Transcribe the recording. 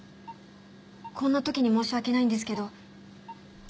こんな時に申し訳ないんですけど。